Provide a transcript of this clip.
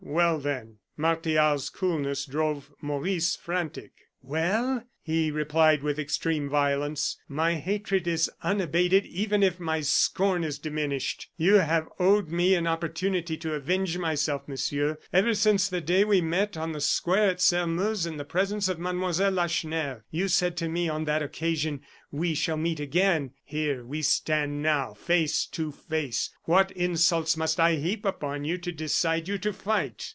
"Well, then?" Martial's coolness drove Maurice frantic. "Well," he replied, with extreme violence, "my hatred is unabated even if my scorn is diminished. You have owed me an opportunity to avenge myself, Monsieur, ever since the day we met on the square at Sairmeuse in the presence of Mademoiselle Lacheneur. You said to me on that occasion: 'We shall meet again.' Here we stand now face to face. What insults must I heap upon you to decide you to fight?"